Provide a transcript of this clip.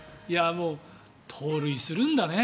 盗塁するんだね。